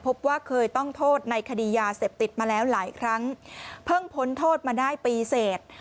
พบว่าเคยต้องโทษในคดียาเสพติดมาแล้วหลายครั้งเพิ่งพ้นโทษมาได้ปีเสร็จ